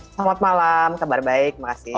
selamat malam kabar baik makasih